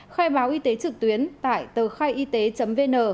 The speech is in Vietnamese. khai báo y tế trực tuyến tại tờ khaiyt vn